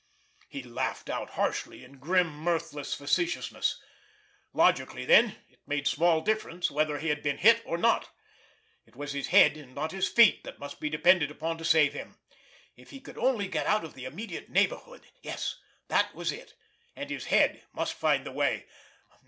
He laughed out harshly in grim, mirthless facetiousness. Logically then, it made small difference whether he had been hit, or not! It was his head, and not his feet, that must be depended upon to save him! If he could only get out of the immediate neighborhood ... yes, that was it ... and his head must find the way